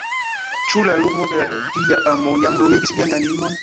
Ĉu la lumo de la Dia amo jam lumigis vian animon?